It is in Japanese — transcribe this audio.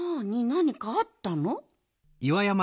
なにかあったの？